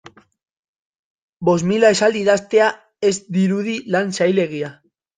Bost mila esaldi idaztea ez dirudi lan zailegia.